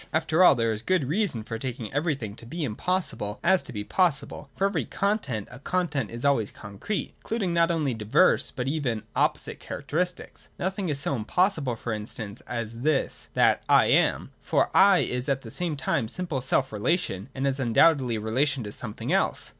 After all there is as good reason for taking everything to be impossible, as to be possible : for every content (a content is always concrete) includes not only diverse but even oppo site characteristics. Nothing is so impossible, for instance, as this, that I am : for ' I ' is at the same time simple self relation and, as undoubtedly, relation to something else.